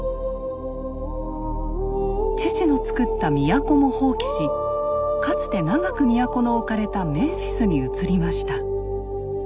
父のつくった都も放棄しかつて長く都の置かれたメンフィスに移りました。